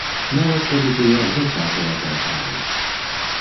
Нават калі тыя зацятыя тэатралы.